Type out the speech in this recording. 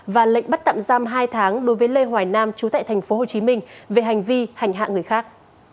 và lệnh bắt tạm giam hai tháng đối với lê hoài nam chú tại thành phố hồ chí minh về hành vi hành hạ người khác